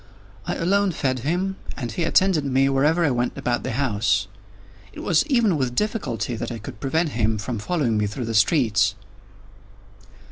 I alone fed him, and he attended me wherever I went about the house. It was even with difficulty that I could prevent him from following me through the streets.